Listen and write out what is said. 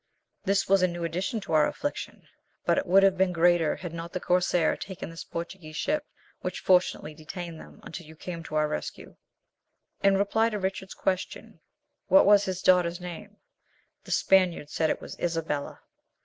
This was a new addition to our affliction; but it would have been greater had not the corsair taken this Portuguese ship, which fortunately detained them until you came to our rescue." In reply to Richard's question what was his daughter's name, the Spaniard said it was Isabella.